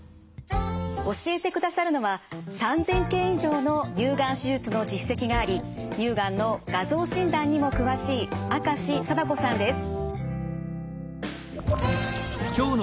教えてくださるのは３，０００件以上の乳がん手術の実績があり乳がんの画像診断にも詳しい明石定子さんです。